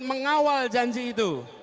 mengawal janji itu